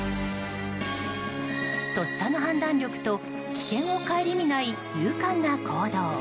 とっさの判断力と危険を顧みない勇敢な行動。